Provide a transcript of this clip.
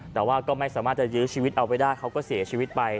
แต่ว่าก็ไม่สามารถจะยื้อชีวิตเอาไว้ได้เขาก็เสียชีวิตไป